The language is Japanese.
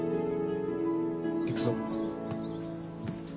行くぞ。